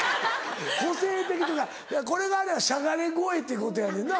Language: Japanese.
個性的とかこれがあれやしゃがれ声っていうことやねんな。